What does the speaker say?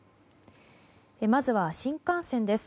まずは新幹線です。